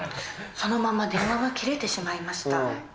そのまま電話は切れてしまいました。